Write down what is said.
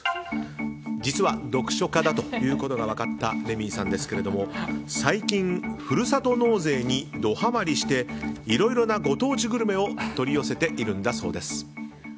実は読書家だということが分かったレミイさんですが最近、ふるさと納税にドハマリしていろいろなご当地グルメを取り寄せているんだそうです。